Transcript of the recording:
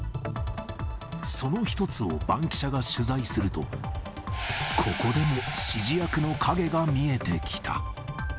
その１つをバンキシャが取材すると、ここでも指示役の影が見えてきた。